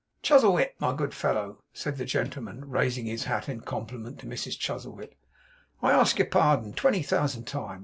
'Chuzzlewit, my good fellow!' said the gentleman, raising his hat in compliment to Mrs Chuzzlewit, 'I ask your pardon twenty thousand times.